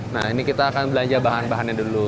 nah ini kita akan belanja bahan bahannya dulu